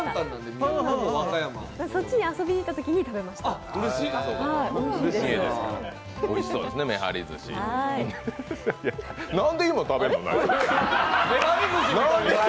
そっちに遊びに行ったときに食べました、おいしいです。